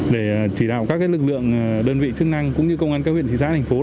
để chỉ đạo các lực lượng đơn vị chức năng cũng như công an các huyện thị xã thành phố